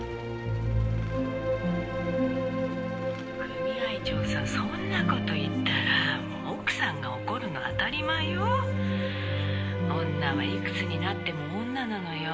「」「組合長さんそんな事言ったら奥さんが怒るの当たり前よ」「女はいくつになっても女なのよ」